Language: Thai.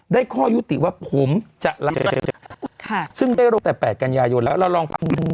ได้ข้อยุติว่าผมจะค่ะซึ่งแต่แปดกัญญาโยนแล้วเราลอง